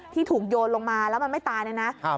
ที่ถูกโยนลงมาแล้วมันไม่ตายเนี่ยนะ